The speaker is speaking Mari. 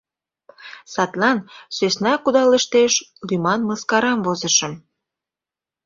Садлан «Сӧсна кудалыштеш» лӱман мыскарам возышым.